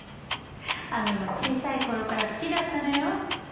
亜美も小さい頃から好きだったのよ。